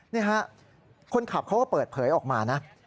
นี่ฮะคนขับเขาก็เปิดเผยออกมานะ